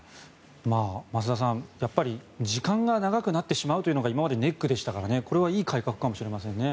増田さん、時間が長くなってしまうというのが今までネックでしたからねこれはいい改革かもしれませんね。